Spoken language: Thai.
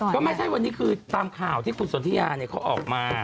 ก็ไม่ใช่วันนี้คือตามข่าวที่คุณสนทิยาเนี่ยเขาออกมา